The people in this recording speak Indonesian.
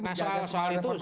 menjaga soal informasi